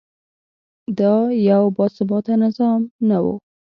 خو دا یو باثباته نظام نه و.